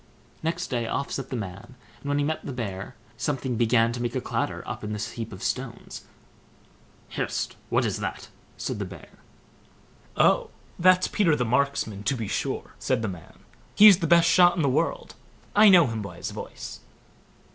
Next day off set the man, and when he met the Bear, something began to make a clatter up in the heap of stones. "Hist! what's that?" said the Bear. "Oh! that's Peter the Marksman, to be sure", said the than; "he's the best shot in the world. I know him by his voice."